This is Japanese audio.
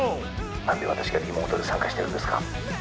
なんで私がリモートで参加してるんですか？